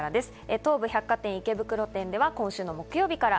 東武百貨店池袋店では今週の木曜日から。